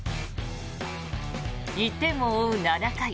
１点を追う７回。